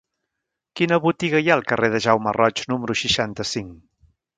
Quina botiga hi ha al carrer de Jaume Roig número seixanta-cinc?